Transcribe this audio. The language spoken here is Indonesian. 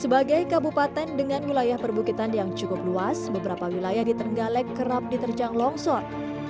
sebagai kabupaten dengan wilayah perbukitan yang cukup luas beberapa wilayah di trenggalek kerap diterjang longsor